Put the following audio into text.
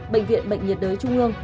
bệnh viện bệnh nhiệt đới trung ương